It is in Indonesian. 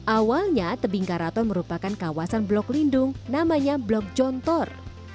awalnya tebing karaton merupakan kawasan blok lindung namanya blok jontor